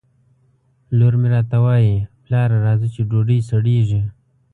لور مې راته وایي ! پلاره راځه چې ډوډۍ سړېږي